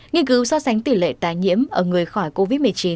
nghiên cứu so sánh tỷ lệ tái nhiễm ở người khỏi covid một mươi chín